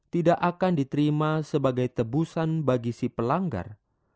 tidak akan diterima sebagai tebusan bagi si pelanggar